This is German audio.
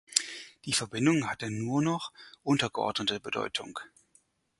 Die Verbindung hatte nur noch untergeordnete Bedeutung.